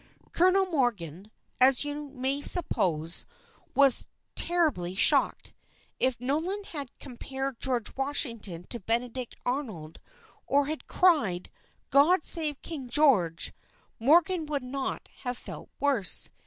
Colonel Morgan, as you may suppose, was terribly shocked. If Nolan had compared George Washington to Benedict Arnold, or had cried, "God save King George," Morgan would not have felt worse.